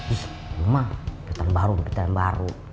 ih emang petan baru gigi petan baru